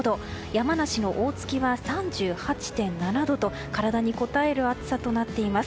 山梨の大月は３８．７度と体にこたえる暑さとなっています。